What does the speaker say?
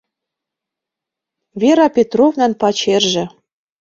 Вера Петровнан пачерже.